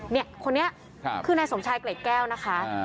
เนี่ยคนนี้คือนายสมชายเกร็ดแก้วนะคะ